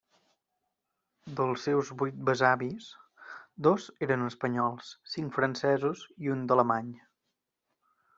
Dels seus vuit besavis, dos eren espanyols, cinc francesos i un d'alemany.